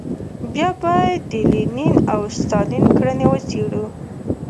بیا باید د لینین او ستالین کړنې وڅېړو.